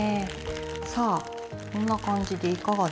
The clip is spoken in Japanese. さあこんな感じでいかがでしょうか。